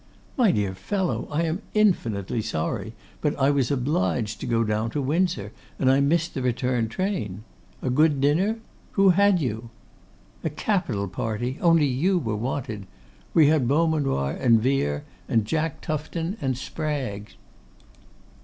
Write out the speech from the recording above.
'My dear fellow, I am infinitely sorry; but I was obliged to go down to Windsor, and I missed the return train. A good dinner? Who had you?' 'A capital party, only you were wanted. We had Beaumanoir and Vere, and Jack Tufton and Spraggs.